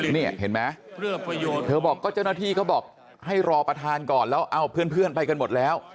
นี่เห็นไหมเธอบอกก็เจ้าหน้าที่เขาบอกให้รอประธานก่อนแล้วเอาเพื่อนไปกันหมดแล้ว